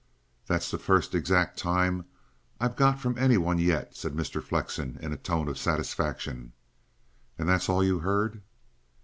"That's the first exact time I've got from any one yet," said Mr. Flexen in a tone of satisfaction. "And that's all you heard?"